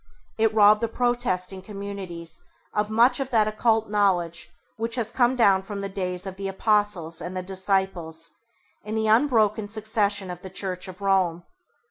It robbed the protesting communities of much of that occult knowledge which had come down from the days of the Apostles and the Disciples in the unbroken succession of the Church of Rome.